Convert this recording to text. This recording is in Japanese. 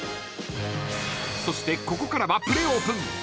［そしてここからはプレオープン］